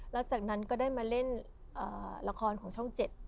แล้วจากนั้นก็ได้มาเล่นละครของช่อง๗